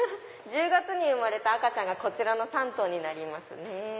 １０月に生まれた赤ちゃんがこちらの３頭になりますね。